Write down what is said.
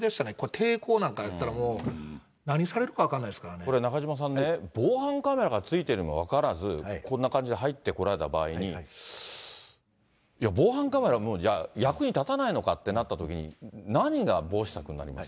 抵抗なんかやったらもう、これ、中島さんね、防犯カメラがついてるの分からず、こんな感じで入ってこられた場合に、いや、防犯カメラ、じゃあ役に立たないのかってなったときに、何が防止策になります